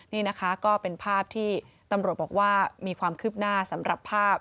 นี่นะคะก็เป็นภาพที่ตำรวจบอกว่ามีความคืบหน้าสำหรับภาพ